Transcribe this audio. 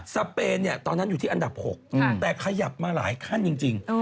เปนตอนนั้นอยู่ที่อันดับ๖แต่ขยับมาหลายขั้นจริง